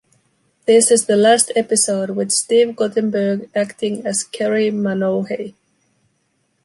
This is the last episode with Steve Guttenberg acting as Carey Manohey.